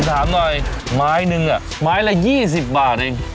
ถามหน่อยไม้นึงไม้ละ๒๐บาทเอง